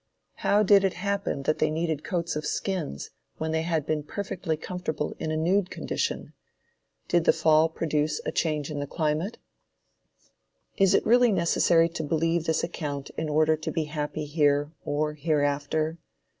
How did it happen that they needed coats of skins, when they had been perfectly comfortable in a nude condition? Did the "fall" produce a change in the climate? Is it really necessary to believe this account in order to be happy here, or hereafter?